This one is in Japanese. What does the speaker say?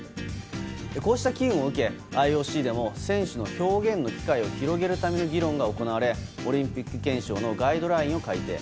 こうした機運を受けＩＯＣでも選手の表現の機会を広げるための議論が行われオリンピック憲章のガイドラインを改定。